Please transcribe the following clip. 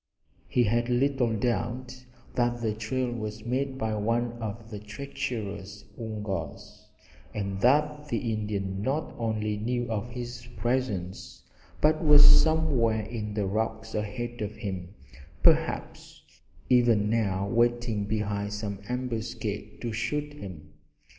He had little doubt that the trail was made by one of the treacherous Woongas, and that the Indian not only knew of his presence, but was somewhere in the rocks ahead of him, perhaps even now waiting behind some ambuscade to shoot him.